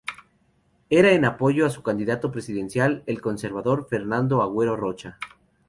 Era en apoyo a su candidato presidencial, el conservador Fernando Agüero Rocha.